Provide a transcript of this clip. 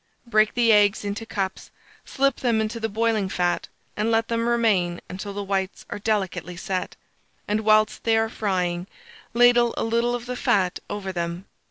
Break the eggs into cups, slip them into the boiling fat, and let them remain until the whites are delicately set; and, whilst they are frying, ladle a little of the fat over them.